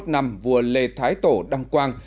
năm trăm chín mươi một năm vua lê thái tổ đăng quang